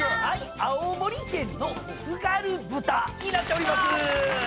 青森県のつがる豚になっております。